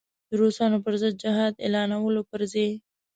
د روسانو پر ضد جهاد اعلانولو پر ځای.